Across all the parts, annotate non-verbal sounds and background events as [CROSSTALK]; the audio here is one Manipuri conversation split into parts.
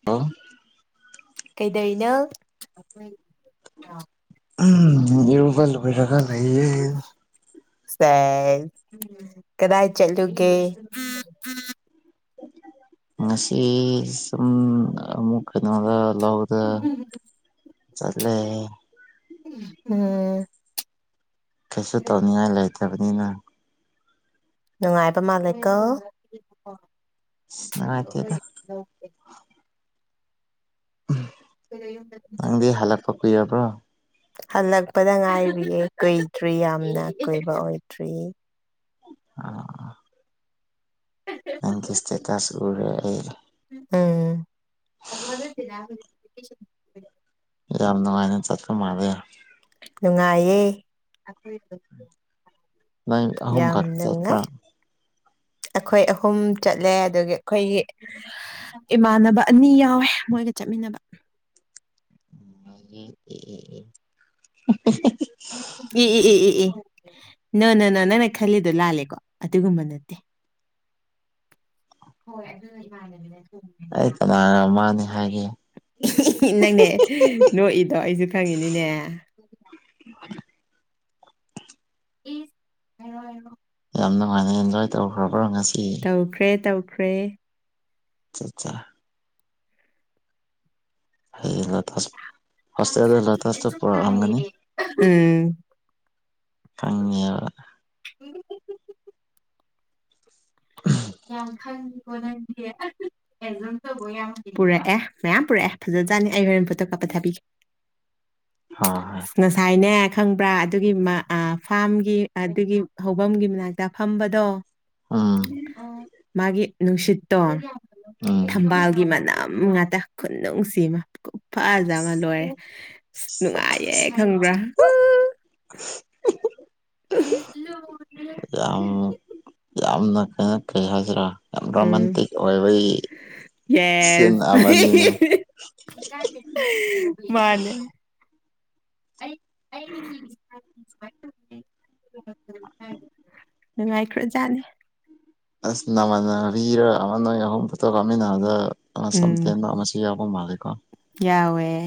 [UNINTELLIGIBLE] ꯀꯩꯗꯧꯔꯤꯅꯣ ꯎꯝ [UNINTELLIGIBLE] ꯑꯣꯏꯕꯒ ꯂꯩꯌꯦ꯫ ꯏꯁꯄꯦ ꯀꯗꯥꯏ ꯆꯠꯂꯨꯒꯦ꯫ ꯉꯁꯤ ꯁꯨꯝ ꯑꯃꯨꯛ ꯀꯩꯅꯣꯗ ꯂꯧꯗ ꯆꯠꯂꯦ ꯑꯣ ꯀꯩꯁꯨ ꯇꯧꯅꯤꯡꯉꯥꯏ ꯂꯩꯇꯕꯅꯤꯅ ꯅꯨꯡꯉꯥꯏꯕ ꯃꯥꯜꯂꯦꯀꯣ [UNINTELLIGIBLE] ꯑꯁ ꯑꯗꫭ ꯅꯨꯡꯉꯥꯏꯇꯦꯗ ꯑꯩꯈꫭꯏꯒꯤꯗꫭ ꯅꯪꯗꯤ ꯍꯜꯂꯛꯄ ꯀꯨꯏꯔꯥꯕ꯭ꯔꯣ꯫ ꯍꯜꯂꯛꯄꯗ ꯉꯥꯏꯔꯤꯌꯦ ꯀꯨꯏꯗ꯭ꯔꯦ ꯌꯥꯝꯅ ꯀꯨꯏꯕ ꯑꯣꯏꯗ꯭ꯔꯤ ꯑ ꯅꯪꯒꯤ ꯏꯁꯇꯦꯇꯁ ꯎꯔꯦ ꯑꯩ ꯑꯦ [UNINTELLIGIBLE] ꯌꯥꯝ ꯅꯨꯡꯉꯥꯏꯅ ꯆꯠꯄ ꯃꯥꯜꯂꯦ ꯅꯨꯡꯉꯥꯏꯌꯦ ꯅꯪ ꯑꯍꯨꯝ ꯌꯥꯝ ꯈꯛꯇ ꯆꯠꯄ꯭ꯔꯥ ꯅꯨꯡꯉꯥꯏ ꯑꯩꯈꯣꯏ ꯑꯍꯨꯝ ꯆꯠꯂꯦ ꯑꯗꯨꯒꯤ ꯑꯩꯈꯣꯏꯒꯤ ꯏꯃꯥꯟꯅꯕ ꯑꯅꯤ ꯌꯥꯎꯋꯦ ꯃꯣꯏꯒ ꯆꯠꯃꯤꯟꯅꯕ ꯍꯤ ꯍꯤ ꯍꯤ ꯏ ꯏ ꯏ ꯏ ꯏ ꯅꯣ ꯅꯣ ꯅꯣ ꯅꯪꯅ ꯈꯜꯂꯤꯗꯣ ꯂꯥꯜꯂꯦꯀꯣ ꯑꯗꯨꯒꯨꯝꯕ ꯅꯠꯇꯦ [INAUDIBLE] ꯍꯣꯏ ꯑꯗꯨ ꯏꯃꯥꯟꯅꯕꯤꯅꯦ ꯑꯩ ꯀꯅꯥꯔꯣ ꯃꯥꯅꯦ ꯍꯥꯏꯒꯦ ꯅꯪꯅꯦ ꯅꯣꯛꯏꯗꯣ ꯑꯩꯁꯨ ꯈꯪꯉꯤꯅꯤꯅꯦ ꯄ ꯍꯥꯏꯔꯣ ꯍꯥꯏꯔꯣ ꯌꯥꯝ ꯅꯨꯡꯉꯥꯏꯅ ꯑꯦꯟꯖꯣꯏ ꯇꯧꯈ꯭ꯔꯕ꯭ꯔꯣ ꯉꯁꯤ ꯇꯧꯈ꯭ꯔꯦ ꯇꯧꯈ꯭ꯔꯦ ꯑꯆꯥ ꯑꯆꯥ ꯑꯩꯡ ꯂꯣꯇꯥꯁ ꯍꯣꯁꯇꯦꯜꯗ ꯂꯣꯇꯥꯁꯇ ꯄꯨꯔꯛꯑꯝꯒꯅꯤ ꯎꯝ ꯈꯪꯉꯕ inaudible ꯌꯥꯝ ꯈꯪꯉꯀꯣꯅꯗꯤ ꯄꯨꯔꯛꯑꯦ ꯃꯌꯥꯝ ꯄꯨꯔꯛꯑꯦ ꯐꯖꯥꯠꯅꯤ ꯑꯩ ꯍꯣꯔꯦꯟ ꯐꯣꯠꯇ ꯀꯥꯄ ꯊꯥꯕꯤꯒꯦ ꯍ ꯍꯣꯏ ꯉꯁꯥꯏꯅꯦ ꯈꯪꯕ꯭ꯔꯥ ꯑꯗꯨꯒꯤ ꯃ ꯑꯥ ꯐꯥꯝꯒꯤ ꯑꯗꯨꯒꯤ ꯍꯐꯝꯒꯤ ꯃꯅꯥꯛꯇ ꯐꯝꯕꯗꯣ ꯎꯝ ꯃꯥꯒꯤ ꯅꯨꯡꯁꯤꯠꯇꯣ ꯎꯝ ꯊꯝꯕꯥꯜꯒꯤ ꯃꯅꯥ ꯉꯥꯛꯇ ꯈꯨꯅꯨꯡꯁꯤꯃ ꯈꯨꯐꯖꯃ ꯂꯣꯏꯔꯦ ꯅꯨꯡꯉꯥꯏ ꯑꯦꯦꯛ ꯈꯪꯕ꯭ꯔꯥ ꯎꯝ inaudible ꯌꯥꯝ ꯌꯥꯝꯅ ꯀꯩꯅ ꯀꯩ ꯍꯥꯏꯁꯤꯔꯥ ꯌꯥꯝ ꯎꯝ ꯔꯣꯃꯥꯟꯇꯤꯛ ꯑꯣꯏꯕꯒꯤ ꯁꯤꯟ ꯌꯦꯁ ꯑꯃꯅꯤꯅꯦ ꯃꯥꯅꯦ ꯑꯩ ꯅꯨꯡꯉꯥꯏꯈ꯭ꯔꯣꯖꯥꯠꯅꯤ ꯑꯁ ꯅꯃꯅꯕꯤꯔ ꯑꯃ ꯅꯣꯏ ꯑꯍꯨꯝ ꯐꯣꯠꯇꯣ ꯀꯥꯞꯃꯤꯟꯅꯗ ꯁꯝꯊꯦꯟꯕ ꯑꯃꯁꯨꯝ ꯃꯤꯌꯥꯕꯨ ꯃꯜꯂꯦꯀꯣ ꯌꯥꯎꯌꯦ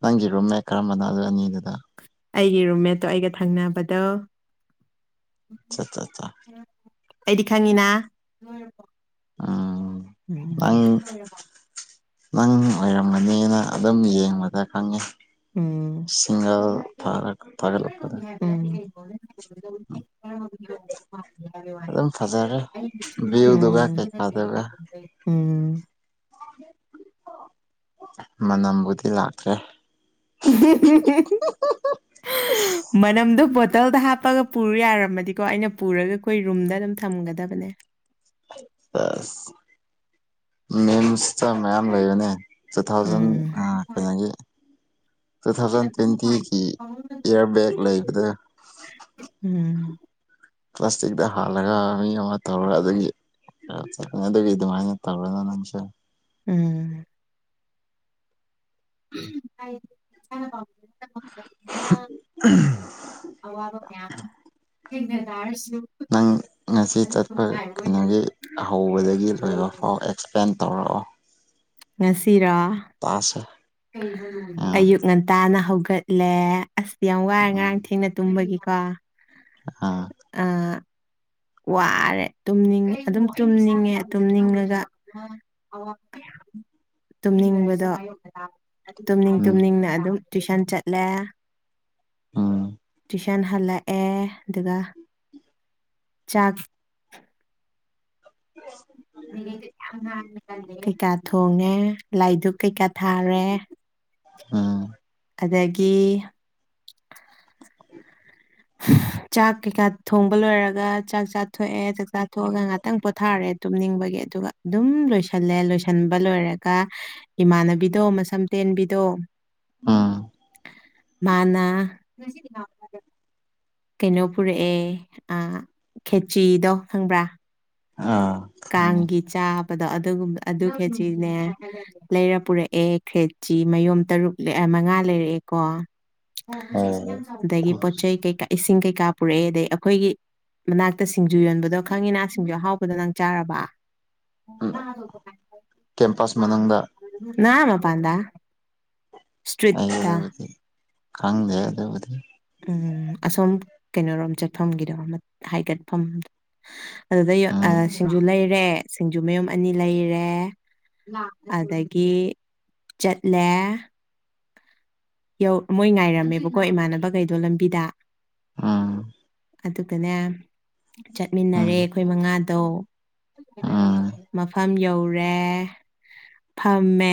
ꯅꯪꯒꯤ ꯔꯨꯝ ꯃꯦꯠ ꯀꯔꯝꯕꯅꯣ ꯑꯗꯨ ꯑꯅꯤꯗꯨꯗ ꯑꯩꯒꯤ ꯔꯨꯝꯃꯦꯠꯇꯣ ꯑꯩꯒ ꯊꯪꯅꯕꯗꯣ ꯆꯥ ꯆꯥ ꯆꯥ ꯑꯩꯗꯤ ꯈꯪꯉꯤꯅ ꯎꯝ ꯅꯥꯡ ꯑꯗ ꯅꯪ ꯑꯣꯏꯔꯝꯒꯅꯤꯅ ꯑꯗꯨꯝ ꯌꯦꯡꯕꯗ ꯈꯪꯉꯤ ꯎꯝ ꯁꯤꯡꯒꯜ ꯊꯥꯔꯛ ꯐꯥꯒꯂꯛꯄꯗ ꯎꯝ ꯎꯝ ꯑꯗꯨꯝ ꯐꯖꯔꯦ ꯚ꯭ꯌꯨꯗꯨꯒ ꯀꯩꯀꯥꯗꯨꯒ ꯎꯝ ꯃꯅꯝꯕꯨꯗꯤ ꯂꯥꯛꯇ꯭ꯔꯦ inaudible inaudible ꯃꯅꯝꯗꯣ ꯕꯣꯇꯜꯗ ꯍꯥꯞꯄꯒ ꯄꯨꯔꯨ ꯌꯥꯔꯝꯃꯗꯤꯀꯣ ꯑꯩꯅ ꯄꯨꯔꯒ ꯑꯩꯈꯣꯏ ꯔꯨꯝꯗ ꯑꯗꯨꯝ ꯊꯝꯒꯗꯕꯅꯦ ꯑꯁ ꯃꯤꯝꯁꯇ ꯃꯌꯥꯝ ꯂꯩꯕꯅꯦ ꯇꯨ ꯊꯥꯎꯖꯟ ꯎꯝ ꯀꯩꯅꯣꯒꯤ ꯇꯨꯊꯥꯎꯖꯟ ꯇ꯭ꯋꯦꯟꯇꯤꯒꯤ ꯏꯌꯥꯔ ꯕꯦꯒ ꯂꯩꯕꯗ ꯎꯝ ꯄ꯭ꯂꯥꯁꯇꯤꯗ ꯍꯜꯂꯒ ꯃꯤ ꯑꯃ ꯇꯧꯔ ꯑꯗꯒꯤ ꯆꯠꯄꯅꯤ ꯑꯗꯨꯒꯤ ꯑꯗꯨꯃꯥꯏꯅ ꯇꯧꯔꯅ ꯅꯪꯁꯦ ꯎꯝ ꯑꯩ ꯏꯁꯥꯅ ꯄꯥꯝꯗꯕ ꯆꯠꯄ ꯉꯥꯝꯗꯕꯅꯤꯅ ꯑꯋꯥꯕ ꯀꯌꯥꯝꯃ ꯊꯦꯡꯅ ꯇꯥꯔꯁꯨ ꯅꯪ ꯉꯁꯤ ꯆꯠꯄ ꯀꯩꯅꯣꯒꯤ ꯍꯧꯕꯗꯒꯤ ꯂꯣꯏꯕ ꯐꯥꯎ ꯑꯦꯛꯁ ꯄꯦꯟ ꯇꯧꯔꯑꯣ ꯉꯁꯤꯔꫭ ꯄꯥꯁꯦ ꯑꯌꯨꯛ ꯉꯟꯇꯥꯅ ꯍꯧꯒꯠꯂꯦ ꯑꯁ ꯌꯥꯝ ꯋꯥꯏꯔꯦ ꯉꯔꯥꯡ ꯊꯦꯡꯅ ꯇꯨꯝꯕꯒꯤꯀꯣ ꯑꯥ ꯑꯥ ꯋꯥꯔꯦ ꯇꯨꯝꯅꯤꯡꯉꯦ ꯑꯗꯨꯝ ꯇꯨꯝꯅꯤꯡꯉꯦ ꯇꯨꯝꯅꯤꯡꯉꯒ ꯇꯨꯝꯅꯤꯡꯕꯗꫭ ꯇꯨꯝꯅꯤꯡ ꯎꯝ ꯇꯨꯝꯅꯤꯡꯅ ꯑꯗꯨꯝ ꯇꯨꯏꯁꯟ ꯆꯠꯂꯦ ꯎꯝ ꯇꯨꯏꯁꯟ ꯍꯜꯂꯛꯑꯦ ꯑꯗꯨꯒ ꯆꯥꯛ [UNINTELLIGIBLE] [UNINTELLIGIBLE] ꯀꯩꯀꯥ ꯊꯣꯡꯉꯦ ꯂꯥꯏ ꯗꯨꯛ ꯀꯩꯀꯥ ꯊꯥꯔꯦ ꯎꯝ ꯑꯗꯒꯤ [INAUDIBLE] ꯆꯥꯛ ꯀꯩꯀꯥ ꯊꯣꯡꯕ ꯂꯣꯏꯔꯒ ꯆꯥꯛ ꯆꯥꯊꯣꯛꯑꯦ ꯆꯥꯛ ꯆꯥꯊꫭꯛꯑꯒ ꯉꯥꯛꯇꯪ ꯄꯣꯊꯥꯔ ꯇꯨꯝꯅꯤꯡꯕꯒꯤ ꯑꯗꯨꯒ ꯑꯗꯨꯝ ꯂꯣꯏꯁꯤꯜꯂꯦ ꯂꯣꯏꯁꯟꯕ ꯂꯣꯏꯔꯒ ꯏꯃꯥꯟꯅꯕꯤꯗꯣ ꯃꯁꯝ ꯇꯦꯟꯕꯤꯗꯣ ꯎꯝ ꯃꯥꯅ [UNINTELLIGIBLE] ꯀꯩꯅꯣ ꯄꯨꯔꯛꯑꯦ ꯑꯥ ꯈꯦꯆꯤꯗꯣ ꯈꯪꯕ꯭ꯔꯥ ꯑꯥ ꯈꯪꯉꯦ ꯀꯥꯡꯒꯤ ꯆꯥꯕꯗꯣ ꯑꯗꯨꯒꯕ ꯑꯗꯨ ꯈꯦꯖꯤꯅꯦ ꯂꯩꯔ ꯄꯨꯔꯛꯑꯦ ꯈ꯭ꯔꯦꯆꯤ ꯃꯌꯣꯝ ꯇꯔꯨꯛ ꯃꯉꯥ ꯂꯩꯔꯛꯑꯦꯀꯣ ꯑꯣ [UNINTELLIGIBLE] ꯑꯗꯒꯤ ꯄꯣꯠ ꯆꯩꯩ ꯀꯩꯀꯥ ꯏꯁꯤꯡ ꯀꯩꯀꯥ ꯄꯨꯔꯛꯑꯦ ꯑꯗꯩ ꯑꯩꯈꯣꯏꯒꯤ ꯃꯅꯥꯛꯇ ꯁꯤꯡꯖꯨ ꯌꯣꯟꯕꯗꯣ ꯈꯪꯉꯤꯅ ꯁꯤꯡꯖꯨ ꯑꯍꯥꯎꯕꯗꫭ ꯅꯪ ꯆꯥꯔꯕ ꯀꯦꯝꯄꯁ ꯃꯅꯨꯡꯗ [UNINTELLIGIBLE] ꯅꯥ ꯃꯄꯥꯟꯗ ꯑꯩ ꯏꯁꯇ꯭ꯔꯤꯠꯇ ꯑꯗꯨꯕꯨꯗꯤ ꯈꯪꯗꯦ ꯑꯗꯨꯕꯨꯗꯤ ꯎꯝ ꯑꯁꯣꯝ ꯀꯩꯅꯣꯔꯣꯝ ꯆꯠꯐꯝꯒꯤꯗꯣ ꯑꯃ ꯍꯥꯏꯒꯠꯐꯝꯗꫭ ꯑꯗꯨꯗ ꯌꯥ ꯎꯝ ꯑꯥ ꯁꯤꯡꯖꯨ ꯂꯩꯔꯦ ꯁꯤꯡꯖꯨ ꯃꯌꫭꯝ ꯑꯅꯤ ꯂꯩꯔꯦ ꯑꯗꯒꯤ ꯆꯠꯂꯦ ꯃꯣꯏ ꯉꯥꯏꯔꯝꯃꯦꯕꯀꯣ ꯏꯃꯥꯟꯅꯕꯈꯩꯗꯣ ꯂꯝꯕꯤꯗ ꯎꯝ ꯑꯗꯨꯒꯅꯦ ꯆꯠꯃꯤꯟꯅꯔꯦ ꯎꯝ ꯑꯩꯈꯣꯏ ꯃꯉꯥꯗꯣ ꯎꯝ ꯃꯐꯝ ꯌꯧꯔꯦ ꯐꯝꯃꯦ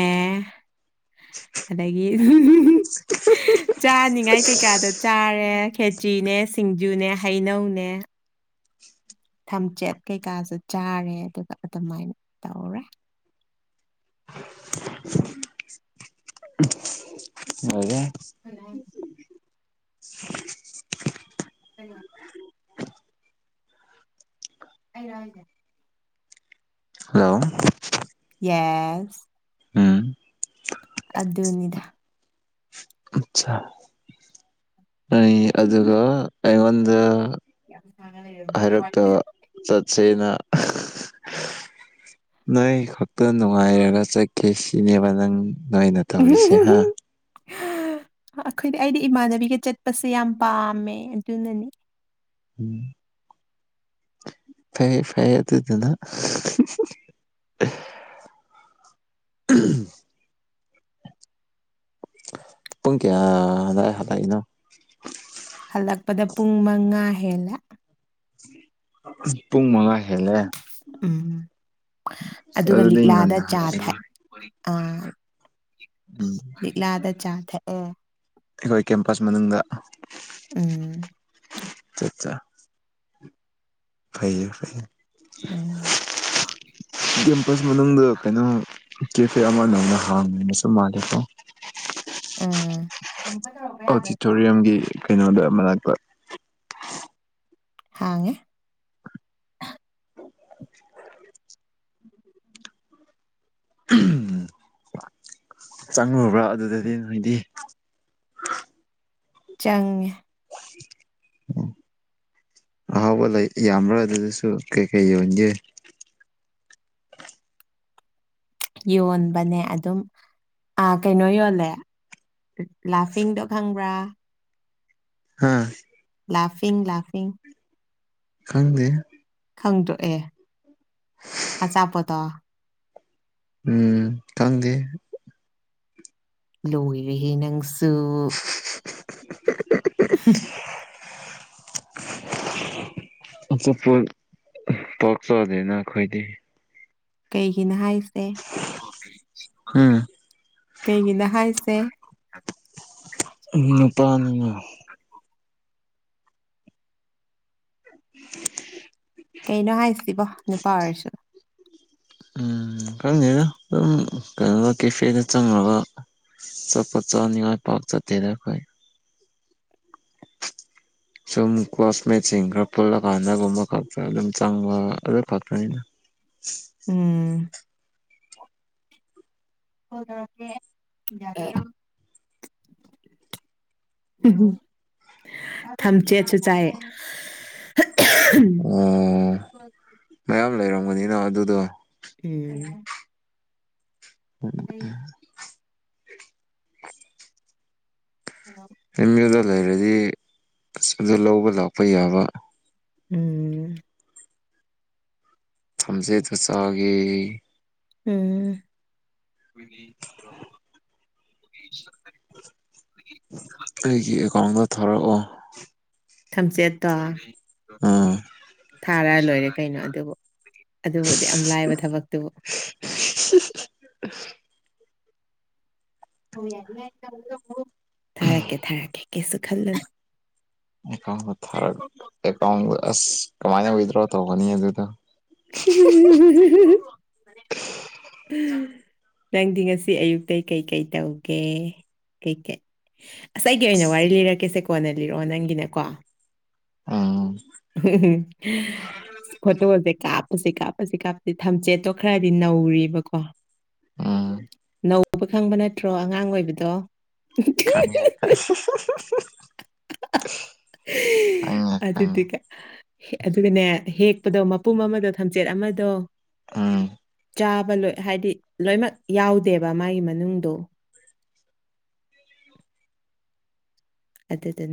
ꯑꯗꯒꯤ ꯆꯥꯅꯤꯡꯉꯥꯏ ꯀꯩꯀꯥꯗꫭ ꯆꯥꯔꯦ ꯈꯦꯆ꯭ꯔꯤꯅꯦ ꯁꯤꯡꯖꯨꯅꯦ ꯍꯩꯅꯧꯅꯦ ꯊꯝꯆꯦꯠ ꯀꯩꯀꯥꯁꯨ ꯆꯥꯔꯦ ꯑꯗꯨꯒ ꯑꯗꯨꯃꯥꯏꯅ ꯇꯧꯔꯦ ꯂꫭꯏꯔꯦ ꯀꯔꯤ ꯍꯥꯏꯅꫭ ꯀꯔꯌꯥ ꯑꯗ ꯍꯜꯂꯣ ꯌꯦꯁ ꯎꯝ ꯑꯗꯨꯅꯤꯗ ꯑꯆꯥ ꯑꯗꯨꯒ ꯑꯩꯉꯣꯟꯗ ꯌꯥꯝ ꯋꯥ ꯆꯠꯆꯦꯅ ꯅꯣꯏ ꯈꯛꯇ ꯅꯨꯡꯉꯥꯏꯔꯒ ꯆꯠꯈꯤꯦ ꯁꯤꯅꯦꯕ ꯅꯪ ꯅꯣꯏꯅ ꯍꯝ ꯇꯧꯔꯤꯁꯦ ꯍꯝ ꯍꯥ ꯍꯝ ꯑꯩꯈꯣꯏꯗꯤ ꯑꯩꯗꯤ ꯏꯃꯥꯟꯅꯕꯤꯒ ꯆꯠꯄꯁꯦ ꯌꯥꯝ ꯄꯥꯝꯃꯦ ꯑꯗꯨꯅꯅꯤ ꯐꯩꯌꯦ ꯐꯩꯌꯦ ꯑꯗꯨ ꯑꯗꯨꯗꯅ ꯎꯝ ꯄꯨꯡ ꯀꯌꯥ ꯍ ꯍꯂꯏꯅꯣ ꯍꯜꯂꯛꯄꯗ ꯄꯨꯡ ꯃꯉꯥ ꯍꯦꯜꯂꯦ ꯄꯨꯡ ꯃꯉꯥ ꯍꯦꯜꯂꯦ ꯎꯝ ꯑꯁ ꯑꯗꯨꯒ ꯑꯗꯨꯗꯤ ꯂꯤꯛꯂꯥꯗ ꯉꯟꯅ ꯆꯥꯕ ꯍꯜꯂꯛꯏꯅ ꯑ ꯎꯝ ꯂꯤꯛꯂꯥꯗ ꯆꯥꯊꯛꯑꯦ ꯑꯩꯈꯣꯏ ꯀꯦꯝꯄꯁ ꯃꯅꯨꯡꯗ ꯎꯝ ꯆꯠ ꯆ ꯐꯩꯌꯦ ꯐꯩꯌꯦ ꯎ ꯀꯦꯝꯄꯁ ꯃꯅꯨꯡꯗ ꯀꯩꯅꯣ ꯀꯦꯐꯦ ꯑꯃ ꯅꯅ ꯍꯥꯡꯉꯦꯅꯁꯨ ꯃꯥꯜꯂꯦꯀꯣ ꯑꯃꯛꯗꯧ ꯑꯣꯗꯤꯇꯣꯔꯤꯌꯝꯒꯤ ꯀꯩꯅꯣꯗ ꯃꯅꯥꯛꯛꯇ ꯍꯥꯡꯉꯦ ꯎ [UNINTELLIGIBLE] ꯆꯪꯪꯂꯉꯨꯕ꯭ꯔꯥ ꯑꯗꯨꯗꯗꯤ ꯅꯣꯏꯗꯤ ꯆꯪ ꯑꯣ ꯑꯍꯥꯎꯕ ꯂꯩ ꯌꯥꯝꯕ꯭ꯔꯥ ꯑꯗꯨꯗꯁꯨ ꯀꯩ ꯀꯩ ꯌꯣꯟꯒꯦ ꯌꯣꯟꯕꯅꯦ ꯑꯗꯨꯝ ꯀꯩꯅꯣ ꯌꯣꯜꯂꯦ ꯂꯥꯐꯤꯡꯗꯣ ꯈꯪꯕ꯭ꯔꯥ ꯍꯥꯥ ꯂꯥꯐꯤꯤꯡ ꯂꯥꯐꯤ ꯈꯪꯗꯦ ꯈꯪꯗꯣꯛꯑꯦ ꯑꯆꯥꯄꯣꯠꯠꯇꯣ ꯎꯝ ꯈꯪꯗꯦ ꯂꯣꯏꯔꯤꯍꯦ ꯅꯪꯁꯨ ꯍꯝ ꯍ [UNINTELLIGIBLE] ꯑꯆꯄꯣ ꯄꯣꯛꯆꯗꯅ ꯑꯩꯈꯣꯏꯗꯤ ꯀꯩꯒꯤꯅ ꯍꯥꯏꯁꯦ ꯎꯝ ꯀꯩꯒꯤꯅ ꯍꯥꯏꯁꯦ ꯅꯨꯄꯥꯅꯤꯅ [UNINTELLIGIBLE] ꯀꯩꯅꯣ ꯍꯥꯏꯁꯤꯕꯣ ꯅꯨꯄꯥ ꯑꯣꯏꯔꯁꯨ ꯎꯝ ꯈꯪꯉꯦꯗ ꯑꯗꯨꯝ ꯀꯩꯅꯣꯗ ꯀꯦꯐꯦꯗ ꯆꯪꯉꯒ ꯆꯥꯎꯠꯄꯣꯠ ꯆꯥꯅꯤꯡꯉꯥꯏ ꯄꯥꯛ ꯆꯠꯇꯦꯗ ꯑꯩꯈꯣꯏ ꯁꯨꯝ ꯀ꯭ꯂꯥꯁꯃꯦꯠꯁꯤꯡ ꯈꯔ ꯄꯨꯜꯂꯀꯥꯟꯗꯒꯨꯝꯕ ꯈꯛꯇ ꯑꯗꯨꯝ ꯆꯪꯕ ꯑꯗꯨ ꯈꯛꯇꯅꯤꯅ ꯎꯝ ꯦ ꯌꯥ ꯎꯝ ꯊꯝꯆꯦꯠꯁꯨ ꯆꯥꯏ ꯑꯣ ꯃꯌꯥꯝ ꯂꯩꯔꯝꯕꯅꯤꯅ ꯑꯗꯨꯗꯣ ꯎꯝ ꯑꯣꯝ ꯍꯂ ꯑꯦꯝ ꯌꯨꯗ ꯂꯩꯔꯗꯤ ꯑꯁ ꯑꯗꯨ ꯂꯧꯕ ꯂꯥꯛꯄ ꯌꯥꯕ ꯎꯝ ꯊꯝꯖꯦꯗꯨ ꯆꯒꯦ ꯎ [UNINTELLIGIBLE] ꯑꯩꯒꯤ ꯑꯦꯀꯥꯎꯟꯗ ꯊꯥꯔꯛꯑꯣ ꯊꯝꯆꯦꯠꯇꯣ ꯎꯝ ꯊꯥꯔ ꯂꯣꯏꯔꯦ ꯀꯩꯅꯣ ꯑꯗꯨꯕꯨ ꯑꯗꯨꯕꯨꯗꯤ ꯌꯥꯝ ꯂꯥꯏꯕ ꯊꯕꯛꯇꯨꯕꯨ ꯌꯥ ꯊꯥꯔꯛꯀꯦ ꯊꯥꯔꯛꯀꯦ ꯀꯦꯁꯨ ꯈꯜꯂꯨꯅ ꯑꯦꯀꯥꯎꯟ ꯊꯔ ꯑꯦꯀꯥꯎꯟ ꯑꯁ ꯀꯃꯥꯏꯅ ꯋꯤꯗ꯭ꯔꯣ ꯇꯧꯒꯅꯤ ꯑꯗꯨꯗ [UNINTELLIGIBLE] ꯅꯪꯗꯤ ꯉꯁꯤ ꯑꯌꯨꯛꯇ ꯀꯩꯀꯩ ꯇꯧꯒꯦ ꯀꯩꯀꯩ ꯉꯁ ꯑꯩꯒꯤ ꯑꯣꯏꯅ ꯋꯥꯔꯤ ꯑꯁ ꯂꯤꯔꯛꯀꯦꯁꯦ ꯀꯣꯟꯅ ꯂꯤꯔꯛꯑꯣ ꯅꯪꯒꯤꯅꯀꯣ ꯑ ꯎꯝ ꯐꯣꯇꯣꯁꯦ ꯀꯥꯞꯄꯁꯤ ꯀꯥꯞꯄꯁꯤ ꯀꯥꯞꯄꯁꯤ ꯊꯝꯆꯦꯠꯇꯣ ꯈꯔꯗꯤ ꯅꯧꯔꯤꯕꯔꯤꯕꯀꯣ ꯎꯝ ꯅꯧꯕ ꯈꯪꯕ ꯅꯠꯇ꯭ꯔꯣ ꯑꯉꯥꯡ ꯑꯣꯏꯕꯗꯣ ꯈ ꯈꯥꯏ ꯑꯔꯇꯒ ꯑꯗꯨꯒꯅꯦ ꯍꯦꯛꯄꯗꯣ ꯃꯄꯨꯝ ꯑꯃꯗꯣ ꯊꯝꯆꯦꯠ ꯑꯃꯗꯣ ꯎꯝ ꯆꯥꯕ ꯂꯣꯏ ꯍꯥꯏꯗꯤ ꯂꯣꯏꯃꯛ ꯌꯥꯎꯗꯦꯕ ꯃꯥꯒꯤ ꯃꯅꯨꯡꯗꯣ ꯑꯗꯨꯗꯦ